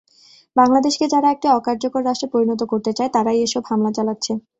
বাংলাদেশকে যারা একটি অকার্যকর রাষ্ট্রে পরিণত করতে চায়, তারাই এসব হামলা চালাচ্ছে।